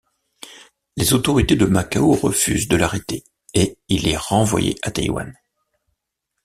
Les autorités de Macao refusent de l'arrêter et il est renvoyé à Taïwan.